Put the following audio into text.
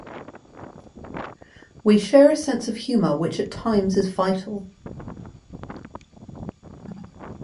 We share a sense of humour which at times is vital.